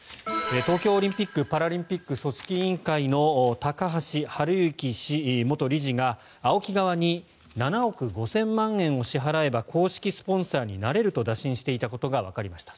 東京オリンピック・パラリンピック組織委員会の高橋治之氏、元理事がＡＯＫＩ側に７億５０００万円を支払えば公式スポンサーになれると打診していたことがわかりました。